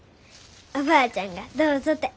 おばあちゃんがどうぞて。